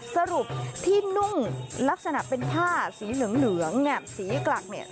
สรุปที่นุ่งลักษณะเป็นผ้าสีเหลืองเนี่ยสีกลักเนี่ย